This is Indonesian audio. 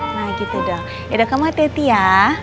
nah gitu dong yaudah kamu hati hati ya